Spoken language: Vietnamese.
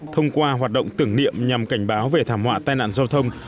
thông qua hoạt động tưởng niệm nhằm cảnh báo về thảm họa tai nạn giao thông